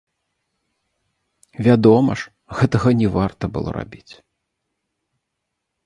Вядома ж, гэтага не варта было рабіць.